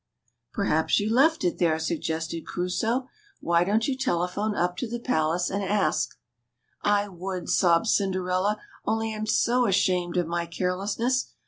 Perhaps you left it there/' suggested Crusoe. ^^Why don't you telephone up to the palace and ask ?" ^*^1 would," sobbed Cinderella, only I'm so ashamed of my carelessness.